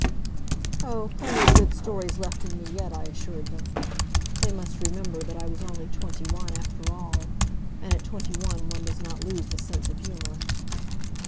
Oh, plenty of good stories left in me yet, I assured them. They must remember that I was only twenty one, after all, and at twenty one one does not lose the sense of humor.